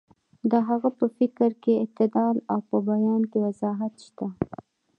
د هغه په فکر کې اعتدال او په بیان کې وضاحت شته.